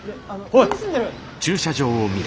おい！